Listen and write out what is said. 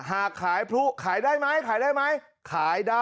หากขายพลุขายได้มั้ย